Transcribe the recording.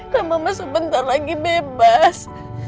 kau mama sebentar lagi bebas